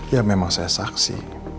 ya memang saya saksi